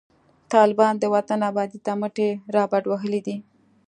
طالبان د وطن آبادۍ ته مټي رابډوهلي دي